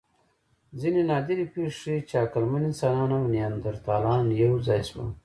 ځینې نادرې پېښې ښيي، چې عقلمن انسانان او نیاندرتالان یو ځای شول.